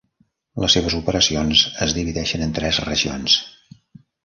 Les seves operacions es divideixen en tres regions.